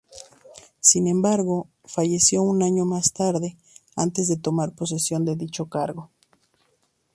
Sin embargo, falleció un año más tarde, antes de tomar posesión de dicho cargo.